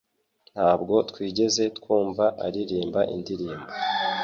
Ntabwo twigeze twumva aririmba indirimbo